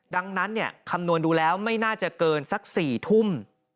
ดังนั้นคำนวณดูแล้วไม่น่าจะเกินสัก๔ทุ่ม